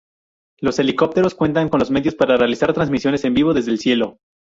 Los helicópteros cuentan con los medios para realizar transmisiones en vivo desde el cielo.